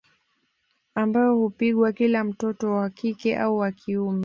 Ambayo hupigiwa kila mtoto wa kike au wa kiume